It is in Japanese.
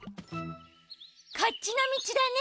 こっちのみちだね。